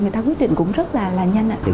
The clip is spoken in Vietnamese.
người ta quyết định cũng rất là nhanh